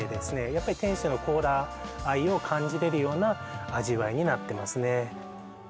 やっぱり店主のコーラ愛を感じられるような味わいになってますね